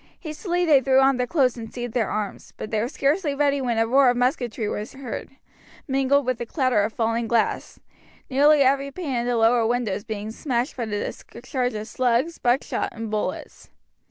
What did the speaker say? Hastily they threw on their clothes and seized their arms; but they were scarcely ready when a roar of musketry was heard, mingled with a clatter of falling glass, nearly every pane in the lower windows being smashed by the discharge of slugs, buckshot and bullets.